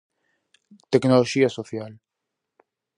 Tecnoloxía social.